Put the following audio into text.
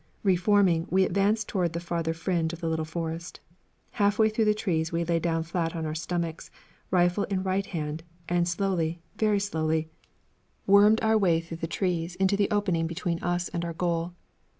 Re forming, we advanced toward the farther fringe of the little forest. Half way through the trees, we lay down flat on our stomachs, rifle in right hand, and slowly, very slowly, wormed our way past the trees into the opening between us and our goal.